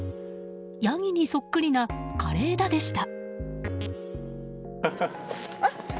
ヤギにそっくりな枯れ枝でした。